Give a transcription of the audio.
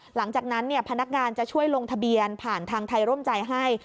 หลังจากนั้นพนักงานจะช่วยลงทะเบียนผ่านทางไทยร่วมใจให้